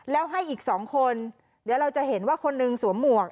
แล้วให้อีกสองคนเดี๋ยวเราจะเห็นว่าคนหนึ่งสวมหมวก